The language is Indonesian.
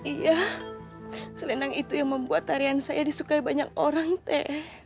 iya selendang itu yang membuat tarian saya disukai banyak orang teh